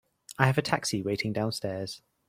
I have a taxi waiting downstairs.